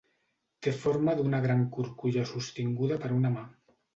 Té forma d'una gran curculla sostinguda per una mà.